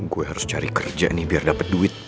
gue harus cari kerja nih biar dapat duit